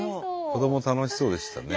子ども楽しそうでしたね。